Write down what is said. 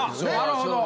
なるほど。